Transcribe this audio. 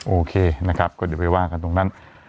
โอเคนะครับก็เดี๋ยวไปว่ากันตรงนั้น